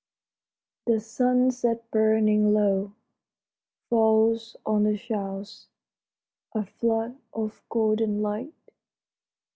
f|HE sunset burning low Falls on the Charles, — a flood of golden light.